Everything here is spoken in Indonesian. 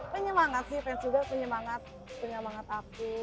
penyemangat sih fans juga punya manget aku